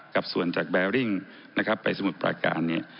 กับส่วนจากแบริ่งนะครับไปสมุทรปราการเนี่ย